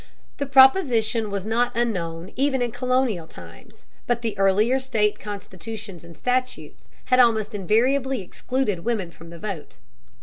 The proposition was not unknown even in colonial times, but the earlier state constitutions and statutes had almost invariably excluded women from the vote.